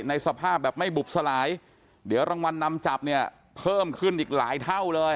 สภาพแบบไม่บุบสลายเดี๋ยวรางวัลนำจับเนี่ยเพิ่มขึ้นอีกหลายเท่าเลย